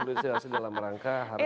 itu pertanyaan semua orang sekarang tapi